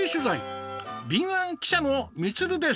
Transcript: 敏腕記者のみつるです。